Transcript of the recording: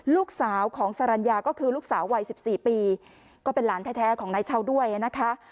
ลูกสาวของสรรญาก็คือลูกสาววัย๑๔ปีก็เป็นหลานแท้ของนายเช่าด้วยนะคะ